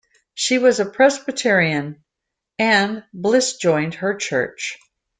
She was a Presbyterian, and Bliss joined her Church.